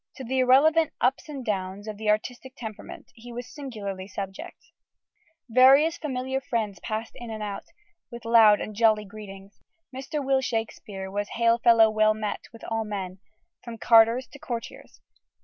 To the irrelevant ups and downs of the artistic temperament he was singularly subject. Various familiar friends passed in and out, with loud and jolly greetings: Mr. Will Shakespeare was hail fellow well met with all men, from carters to courtiers.